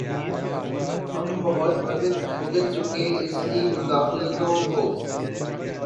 ہم بہت بھگت چکے ایسی مداخلتوں کو۔